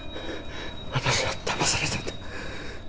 私はだまされたんだ。